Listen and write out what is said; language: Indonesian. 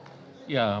ya mungkin yang ibu nana